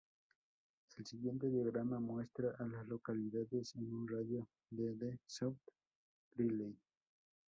El siguiente diagrama muestra a las localidades en un radio de de South Greeley.